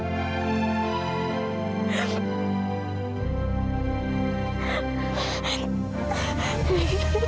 harus tahu gimana rasanya jadi kamu